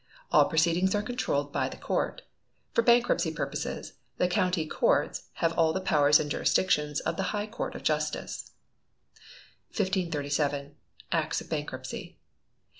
All proceedings are controlled by the Court. For bankruptcy purposes, the County Courts have all the powers and jurisdiction of the High Court of Justice. 1537. Acts of Bankruptcy.